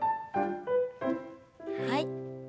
はい。